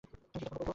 জুতা কোনটা পরবো?